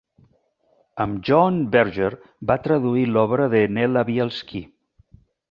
Amb John Berger va traduir l'obra de Nella Bielski.